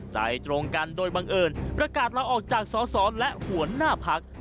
ใจตรงกันโดยบังเอิญประกาศลาออกจากสอสอและหัวหน้าพัก